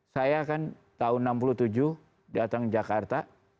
saya kan tahun seribu sembilan ratus enam puluh tujuh datang ke jakarta